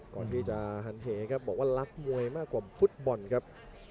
ก่อนที่จะหันเหครับบอกว่ารักมวยมากกว่าฟุตบอลครับ